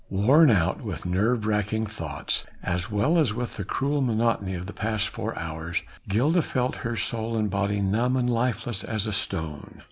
Worn out with nerve racking thoughts, as well as with the cruel monotony of the past four hours, Gilda felt her soul and body numb and lifeless as a stone.